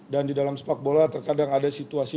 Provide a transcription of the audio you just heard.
dan di dalam sepak bola terkadang ada situasi